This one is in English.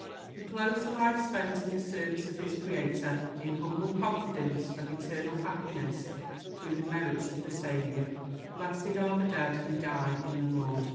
He closed a life spent in the service of his Creator, in humble confidence of eternal happiness through the merits of the Savior. "Blessed are the dead who die in the Lord."